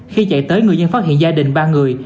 khi chạy tới người dân phát hiện gia đình ba người